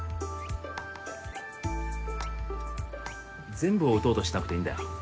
全部を打とうとしなくていいんだよ